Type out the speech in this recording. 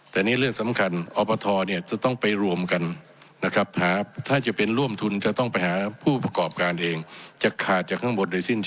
แต่นี่เรื่องสำคัญออปทรเนี่ยจะต้องไปรวมกันนะครับ